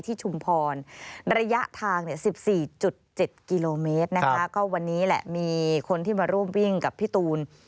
ชุมพรระยะทาง๑๔๗กิโลเมตรนะคะก็วันนี้แหละมีคนที่มาร่วมวิ่งกับพี่ตูน